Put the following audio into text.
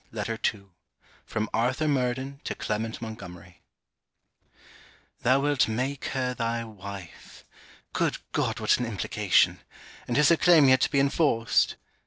LETTER II FROM ARTHUR MURDEN TO CLEMENT MONTGOMERY 'Thou wilt make her thy wife.' Good God what an implication! And is her claim yet to be enforced!